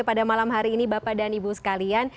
pada malam hari ini bapak dan ibu sekalian